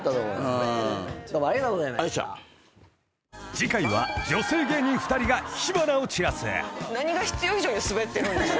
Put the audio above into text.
［次回は女性芸人２人が火花を散らす］何が必要以上にスベってる。